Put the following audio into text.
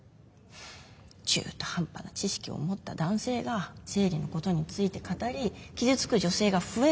中途半端な知識を持った男性が生理のことについて語り傷つく女性が増える。